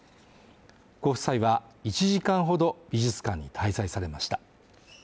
ご夫妻は、１時間ほど美術館に滞在されました。